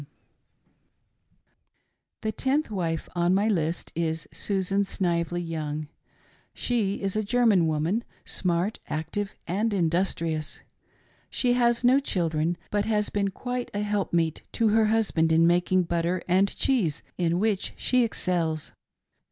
[Number Ten.] The tenth wife on my list is Susan Snively Young. She is a German woman — smart, active, and industrious. She has no children, but has been quite a help meet to her husband in making butter and cheese, in which she excels.